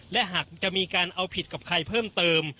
และหากจะมีการเอาผิดกับใครเพิ่มเติม